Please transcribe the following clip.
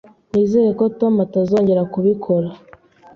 Nizere ko Tom atazongera kubikora